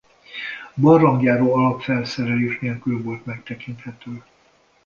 Barlangjáró alapfelszerelés nélkül volt megtekinthető.